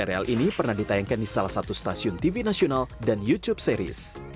serial ini pernah ditayangkan di salah satu stasiun tv nasional dan youtube series